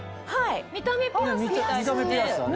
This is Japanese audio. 見た目ピアスみたいですね。